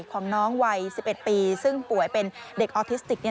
ของน้องวัย๑๑ปีซึ่งป่วยเป็นเด็กออทิสติก